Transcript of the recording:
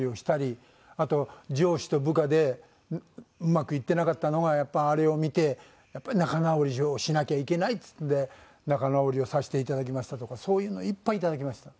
あと上司と部下でうまくいってなかったのがやっぱりあれを見てやっぱり仲直りをしなきゃいけないっつうんで仲直りをさせていただきましたとかそういうのいっぱいいただきました。